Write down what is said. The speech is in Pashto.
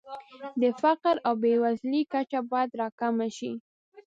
د فقر او بېوزلۍ کچه باید راکمه شي.